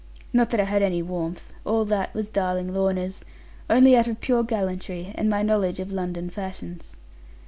Not that I had any warmth all that was darling Lorna's only out of pure gallantry, and my knowledge of London fashions.